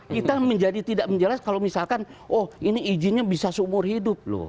kita menjadi tidak menjelaskan kalau misalkan oh ini izinnya bisa seumur hidup loh